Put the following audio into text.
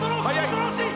恐ろしい！